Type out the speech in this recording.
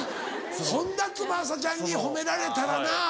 本田翼ちゃんに褒められたらなぁ。